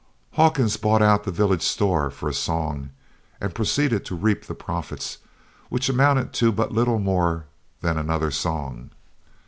Hawkins bought out the village store for a song and proceeded to reap the profits, which amounted to but little more than another song.